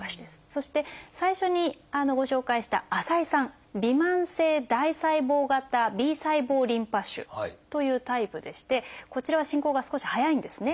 そして最初にご紹介した浅井さん「びまん性大細胞型Ｂ細胞リンパ腫」というタイプでしてこちらは進行が少し早いんですね。